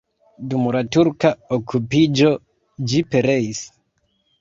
Dum la turka okupiĝo ĝi pereis.